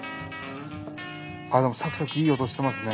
あっでもサクサクいい音してますね。